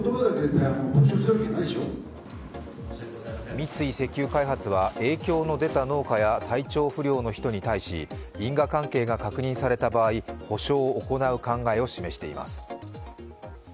三井石油開発は影響の出た農家や体調不良の人に対し因果関係が確認された場合、補償を行う考えを示しています。